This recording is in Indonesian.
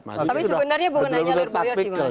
tapi sebenarnya bukan hanya lirboyo sih mas